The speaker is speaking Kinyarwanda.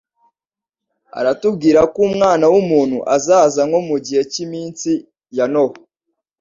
Aratubwira ko Umwana w'umuntu azaza nko mu gihe cy'iminsi ya Nowa.